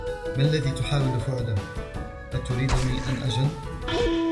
ما الذي تحاول فعله؟ أتريدني أن أُجنّ؟